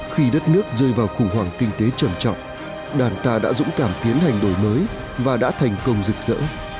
khi đất nước rơi vào khủng hoảng kinh tế trầm trọng đảng ta đã dũng cảm tiến hành đổi mới và đã thành công rực rỡ